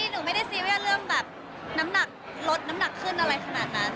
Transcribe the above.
หนูไม่ได้แบบน้ำหนักลดน้ำหนักขึ้นอะไรขนาดนั้น